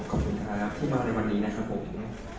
ขอบคุณครับที่มาในวันนี้นะครับผม